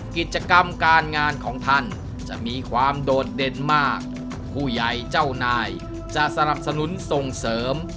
กิจกรรมการงานของท่านจะมีความโดดเด่นมากผู้ใหญ่เจ้านายจะสนับสนุนส่งเสริม